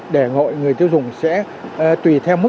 để hội người tiêu dùng sẽ tùy theo mọi người